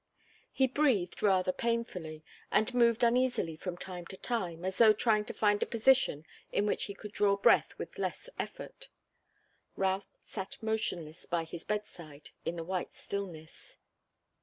He breathed rather painfully, and moved uneasily from time to time, as though trying to find a position in which he could draw breath with less effort. Routh sat motionless by his bedside in the white stillness.